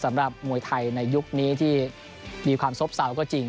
สำหรับมวยไทยในยุคนี้ที่มีความซบเซาก็จริง